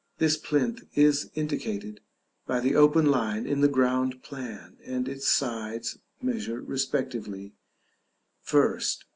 This plinth is indicated by the open line in the ground plan, and its sides measure respectively: Ft.